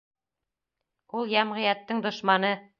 Ул йәмғиәттең дошманы!